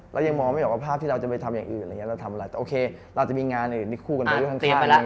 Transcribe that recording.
เรายังมองไม่ออกว่าภาพที่เราจะไปทำอย่างอื่นเราจะมีงานอื่นคู่กันไปด้วยข้าง